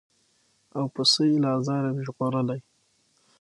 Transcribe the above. او پسه یې له آزاره وي ژغورلی